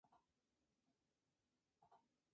Toma su nombre de Santa Rita de Casia.